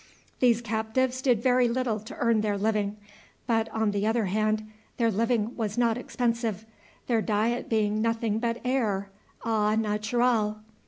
These captives did very little to earn their living, but, on the other hand, their living was not expensive, their diet being nothing but air, au naturel.